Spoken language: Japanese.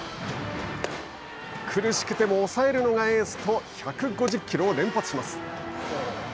苦しくても抑えるのがエースと１５０キロを連発します。